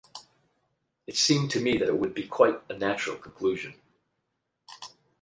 It seemed to me that it would be quite a natural conclusion.